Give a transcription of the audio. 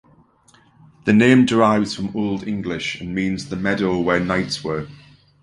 The name derives from Old English and means the meadow where knights were.